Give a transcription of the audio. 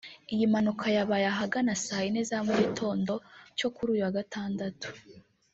Iyi mpanuka yabaye ahagana saa yine za mu gitondo cyo kuri uyu wa Gatandatu